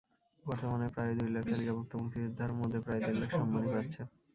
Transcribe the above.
বর্তমানে প্রায় দুই লাখ তালিকাভুক্ত মুক্তিযোদ্ধার মধ্যে প্রায় দেড় লাখ সম্মানী পাচ্ছেন।